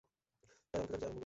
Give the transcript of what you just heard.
তাই, আমি খোঁজাখুঁজি আরম্ভ করি।